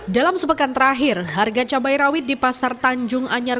dalam sepekan terakhir harga cabai rawit di pasar tanjung anyar